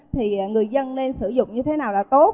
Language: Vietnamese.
thì người dân nên sử dụng như thế nào là tốt